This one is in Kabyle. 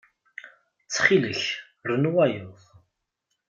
Ttxil-k, rnu wayeḍ.